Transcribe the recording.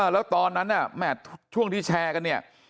แล้วตอนนั้นช่วงที่แชร์กันเนี่ย